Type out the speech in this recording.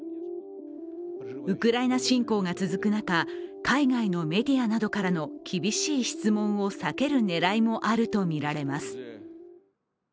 ウクライナ侵攻が続く中、海外のメディアなどからの厳しい質問を避ける狙いもあるとみられます。